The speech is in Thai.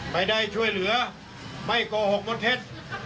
ไม่ได้ช่วยเหลือไม่โกหกบนเท็จ